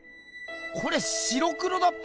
これ白黒だっぺよ。